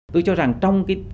tôi cho rằng trong cái